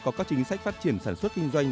có các chính sách phát triển sản xuất kinh doanh